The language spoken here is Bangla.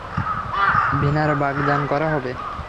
ভীনার বাগদান করা হবে।